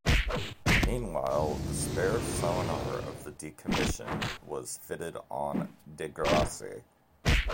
Meanwhile, the spare sonar of the decommissioned was fitted on "De Grasse".